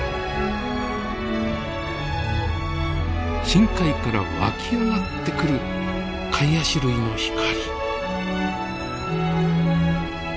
深海から湧き上がってくるカイアシ類の光。